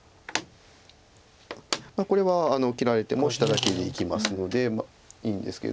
これは切られても下だけで生きますのでいいんですけど。